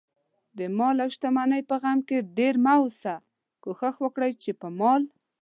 دمال اوشتمنۍ په غم کې ډېر مه اوسئ، کوښښ وکړئ، چې په مال